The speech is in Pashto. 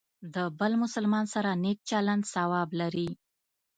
د بل مسلمان سره نیک چلند ثواب لري.